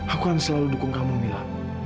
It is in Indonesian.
aku akan selalu dukung kamu mila